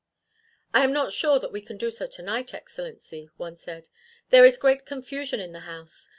"I am not sure that we can do so tonight, Excellency," one said. "There is great confusion in the house.